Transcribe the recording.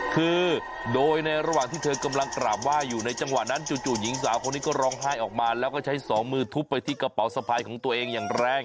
คือโดยในระหว่างที่เธอกำลังกราบไหว้อยู่ในจังหวะนั้นจู่หญิงสาวคนนี้ก็ร้องไห้ออกมาแล้วก็ใช้สองมือทุบไปที่กระเป๋าสะพายของตัวเองอย่างแรง